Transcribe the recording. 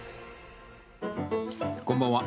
こんばんは。